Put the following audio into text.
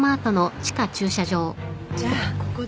じゃあここで。